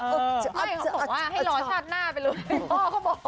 ไม่เขาบอกว่าให้รอชาติหน้าไปเลย